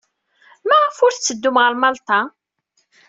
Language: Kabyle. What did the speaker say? Maɣef ur tetteddum ɣer Malṭa?